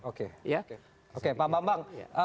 oke pak bambang